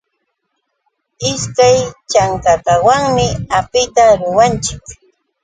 Ishkay chankakawanmi apita ruranchik.